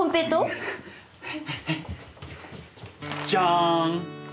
じゃん！